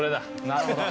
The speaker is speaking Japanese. なるほど。